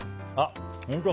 本当だ。